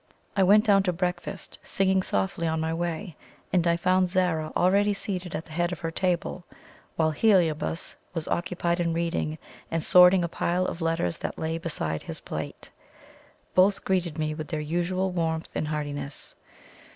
I went down to breakfast, singing softly on my way, and I found Zara already seated at the head of her table, while Heliobas was occupied in reading and sorting a pile of letters that lay beside his plate. Both greeted me with their usual warmth and heartiness.